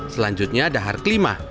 selanjutnya dahar kelima